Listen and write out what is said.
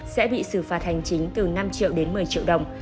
sẽ bị xử phạt hành chính từ năm triệu đến một mươi triệu đồng